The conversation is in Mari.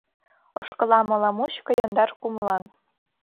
Ошкылам ола мучко яндар кумылан.